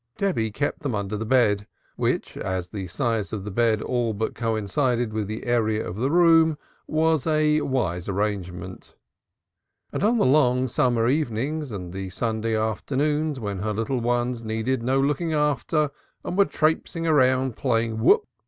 Debby kept them under the bed, which, as the size of the bed all but coincided with the area of the room, was a wise arrangement. And on the long summer evenings and the Sunday afternoons when her little ones needed no looking after and were traipsing about playing "whoop!"